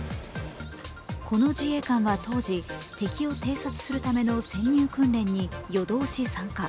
この自衛官は当時、敵を偵察するための潜入訓練に夜通し参加。